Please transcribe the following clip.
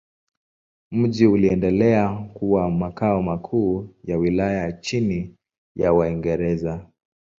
Mji uliendelea kuwa makao makuu ya wilaya chini ya Waingereza.